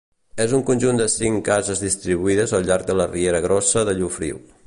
És un conjunt de cinc cases distribuïdes al llarg de la riera grossa de Llofriu.